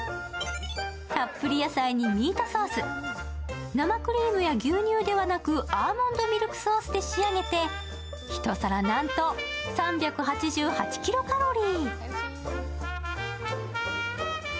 たっぷり野菜にミートソース、生クリームや牛乳ではなくアーモンドミルクソースで仕上げて一皿なんと３８８ｋｃａｌ。